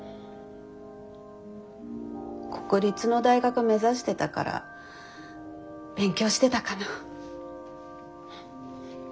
国立の大学目指してたから勉強してたかな。